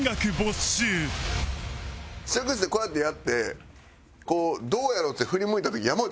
試着室でこうやってやってどうやろう？って振り向いた時山内